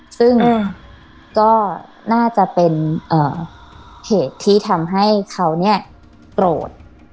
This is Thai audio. ซึ่งก็น่าจะเป็นเหตุที่ทำให้เขาเนี่ยโกรธ